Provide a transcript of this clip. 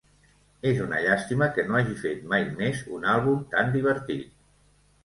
És una llàstima que no hagi fet mai més un àlbum tan divertit.